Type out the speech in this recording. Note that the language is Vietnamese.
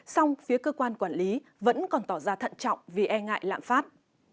song phía cơ quan quản lý vẫn còn tỏ ra thận trọng vì e ngại lạm phát